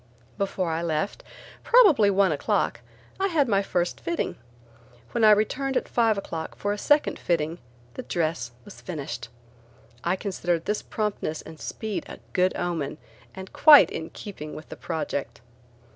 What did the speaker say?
Before I left, probably one o'clock, I had my first fitting. When I returned at five o'clock for a second fitting, the dress was finished. I considered this promptness and speed a good omen and quite in keeping with the project.